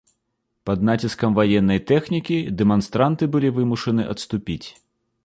Пад націскам ваеннай тэхнікі, дэманстранты былі вымушаны адступіць.